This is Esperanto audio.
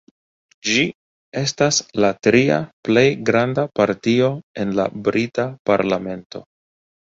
Ĝi estas la tria plej granda partio en la brita parlamento.